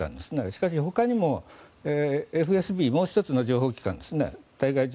しかし、ほかにもＦＳＢもう１つの情報機関ですね